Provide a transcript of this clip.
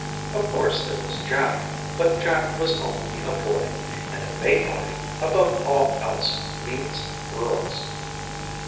Of course there was Jack, but Jack was only a boy and a May party, above all else, means girls.